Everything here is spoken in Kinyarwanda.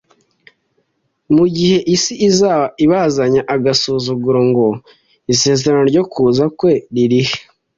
Mu gihe isi izaba ibazanya agasuzuguro ngo : «Isezerano ryo kuza kwe riri he?»,